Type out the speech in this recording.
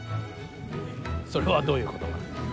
それはどういうことかな。